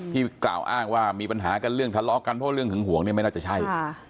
กล่าวอ้างว่ามีปัญหากันเรื่องทะเลาะกันเพราะเรื่องหึงหวงเนี่ยไม่น่าจะใช่